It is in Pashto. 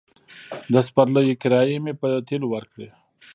د سپرليو کرايې مې په تيلو ورکړې.